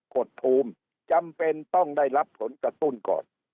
กดภูมิจำเป็นต้องได้รับผลกระตุ้นก่อน